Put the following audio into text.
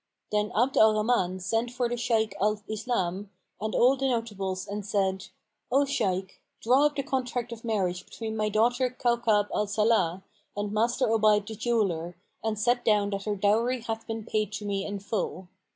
Then Abd al Rahman sent for the Shaykh al Islam and all the notables and said, "O Shaykh, draw up the contract of marriage between my daughter Kaukab al Salah[FN#471] and Master Obayd the jeweller and set down that her dowry hath been paid to me in full."